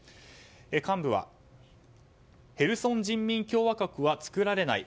幹部はヘルソン人民共和国は作られない。